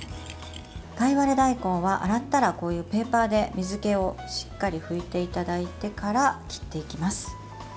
カイワレ大根は洗ったらペーパーで、水けをしっかり拭いていただいてから切っていきます。